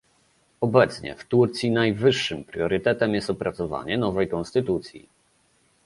Obecnie w Turcji najwyższym priorytetem jest opracowanie nowej konstytucji